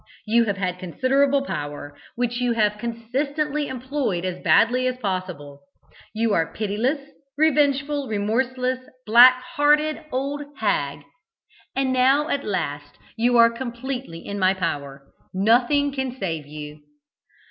You have had considerable power, which you have consistently employed as badly as possible. You are a pitiless, revengeful, remorseless, black hearted old hag. And now at last you are completely in my power. Nothing can save you."